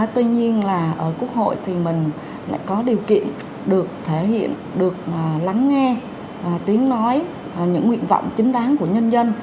tuy nhiên là ở quốc hội thì mình lại có điều kiện được thể hiện được lắng nghe tiếng nói những nguyện vọng chính đáng của nhân dân